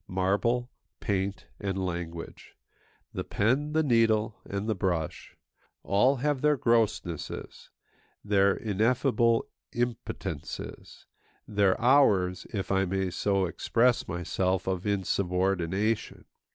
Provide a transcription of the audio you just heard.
Marble, paint, and language, the pen, the needle, and the brush, all have their grossnesses, their ineffable impotences, their hours, if I may so express myself, of insubordination.